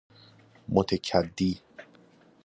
متکدی